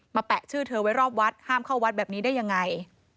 แปะชื่อเธอไว้รอบวัดห้ามเข้าวัดแบบนี้ได้ยังไง